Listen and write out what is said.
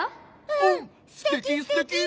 うんすてきすてき！